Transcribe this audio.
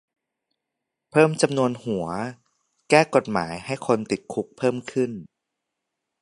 เพิ่มจำนวนหัว แก้กฎหมายให้คนติดคุกเพิ่มขึ้น